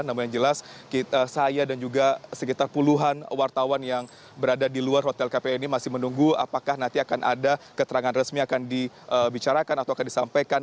namun yang jelas saya dan juga sekitar puluhan wartawan yang berada di luar hotel kpi ini masih menunggu apakah nanti akan ada keterangan resmi akan dibicarakan atau akan disampaikan